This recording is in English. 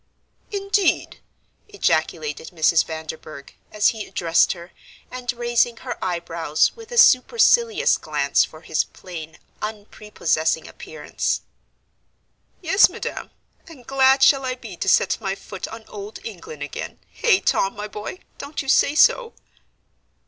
"Indeed!" ejaculated Mrs. Vanderburgh, as he addressed her, and raising her eyebrows with a supercilious glance for his plain, unprepossessing appearance. "Yes, Madam, and glad shall I be to set my foot on Old England again Hey, Tom, my boy, don't you say so?"